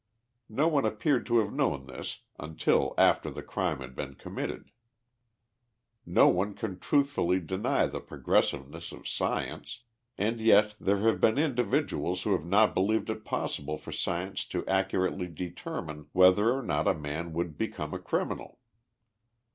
Xo one appeared to have known this until after the crime had been committed. Xo one can truthfully deny the progressiveness of science, and yet there have beeti individuals who have not believed it possible for science to acurately determine whether or not a man would be come a criminal.